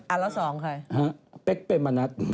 แล้วสองใครฮะเป๊กเมมะนัด